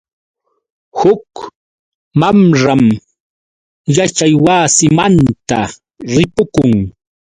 Huk mamram yaćhaywasimanta ripukun.